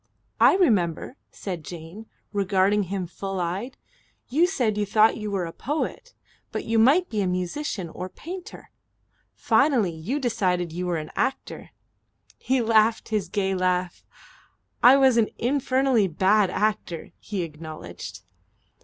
"I remember," said Jane, regarding him full eyed. "You said you thought you were a poet but you might be a musician or painter. Finally you decided you were an actor." He laughed his gay laugh. "I was an infernally bad actor," he acknowledged.